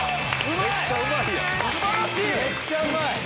めっちゃうまい。